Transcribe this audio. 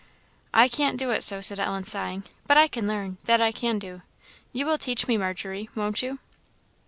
"I can't do it so," said Ellen, sighing "but I can learn that I can do. You will teach me, Margery won't you?"